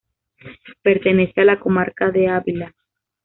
Pertenece a la comarca de Ávila.